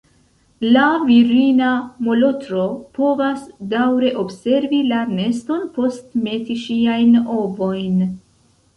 La virina molotro povas daŭre observi la neston post meti ŝiajn ovojn.